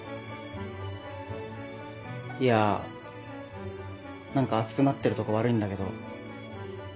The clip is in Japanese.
いや何か熱くなってるとこ悪いんだけど。